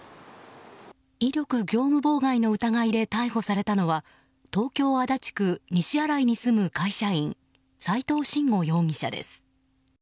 威力業務妨害の疑いで逮捕されたのは東京・足立区西新井に住む会社員斉藤信吾容疑者です。